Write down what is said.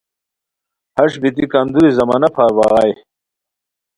ہݰ بیتی کندوری زمانہ پھار بغائے